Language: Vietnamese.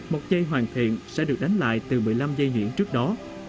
một dây hoàn thiện sẽ được đánh lại từ một mươi năm dây chuyền trước đó